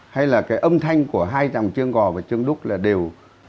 hay là cái âm thanh của hai dòng chiêng gò và chiêng đúc là đều